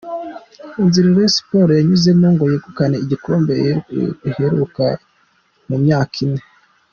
Inzira Rayon Sports yanyuzemo ngo yegukane igikombe yaherukaga mu myaka ine.